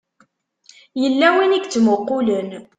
Yella win i yettmuqqulen.